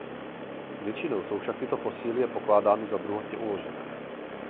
Většinou jsou však tyto fosílie pokládány za druhotně uložené.